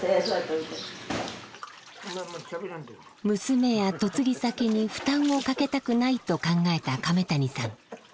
娘や嫁ぎ先に負担をかけたくないと考えた亀谷さん。